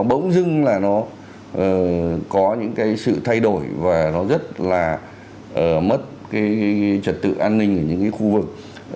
bỗng dưng là nó có những cái sự thay đổi và nó rất là mất cái trật tự an ninh ở những cái khu vực